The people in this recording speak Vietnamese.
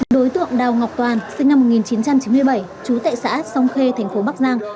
đối tượng đào ngọc toàn sinh năm một nghìn chín trăm chín mươi bảy trú tại xã sông khê thành phố bắc giang